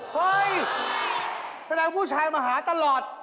เฮ้ยแสดงผู้ชายมาหาตลอด